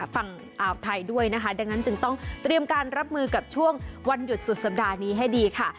ฝั่งอ่าวไทยด้วยนะคะดังนั้นจึงต้องเตรียมการรับมือกับช่วงวันหยุดสุดสัปดาห์นี้ให้ดีค่ะ